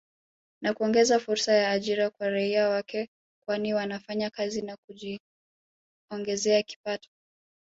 Na kuongeza fursa za ajira kwa raia wake kwani wanafanya kazi na kujiongezea kipato